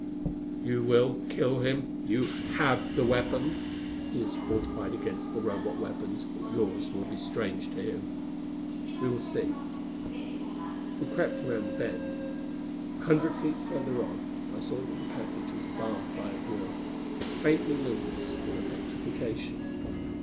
"You will kill him? You have the weapon. He is fortified against the Robot weapons, but yours will be strange to him." "We will see." We crept around the bend. A hundred feet further on I saw that the passage was barred by a grille, faintly luminous with electrification.